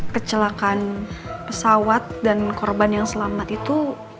kecelakaan pesawat dan korban yang selamat itu